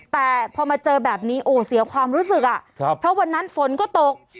แต่พอมาเจอแบบนี้โอ้เสียความรู้สึกอ่ะครับเพราะวันนั้นฝนก็ตก